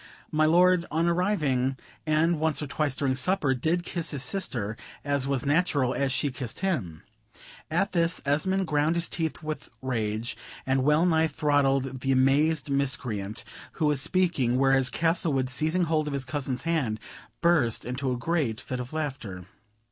My lord, on arriving, and once or twice during supper, did kiss his sister, as was natural, and she kissed him." At this Esmond ground his teeth with rage, and wellnigh throttled the amazed miscreant who was speaking, whereas Castlewood, seizing hold of his cousin's hand, burst into a great fit of laughter.